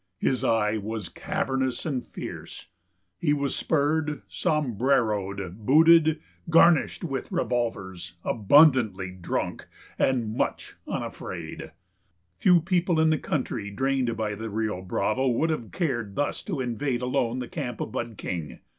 His eye was cavernous and fierce. He was spurred, sombreroed, booted, garnished with revolvers, abundantly drunk, and very much unafraid. Few people in the country drained by the Rio Bravo would have cared thus to invade alone the camp of Bud King.